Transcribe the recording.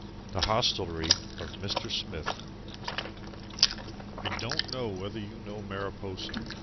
The Hostelry of Mr. Smith I don't know whether you know Mariposa.